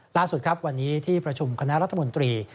ล่าสุดครับวันนี้ที่ประชุมคณะรัฐมนตรี